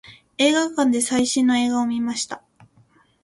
映画館で最新の映画を見ました。